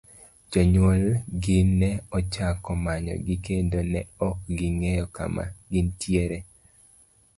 Jonyuol gi ne ochako manyo gi kendo ne ok ging'eyo kama gintiere.